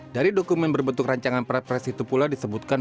dari dokumen berbentuk rancangan perpres itu pula disebutkan